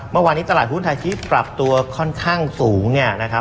เมื่อวานนี้ตลาดหุ้นไทยที่ปรับตัวค่อนข้างสูงเนี่ยนะครับ